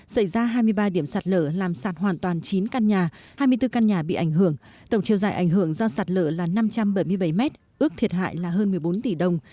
xảy ra hai mươi ba điểm sạt lở làm sạt hoàn toàn chín căn nhà hai mươi bốn căn nhà bị ảnh hưởng tổng chiều dài ảnh hưởng do sạt lở là năm trăm bảy mươi bảy mét ước thiệt hại là hơn một mươi bốn tỷ đồng